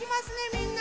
みんな。